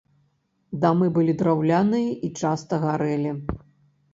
Дамы былі драўляныя і часта гарэлі.